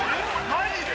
マジで？